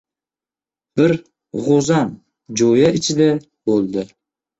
Bir g‘o‘zam jo‘ya ichida bo‘ldi.